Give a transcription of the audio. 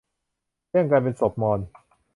แย่งกันเป็นศพมอญ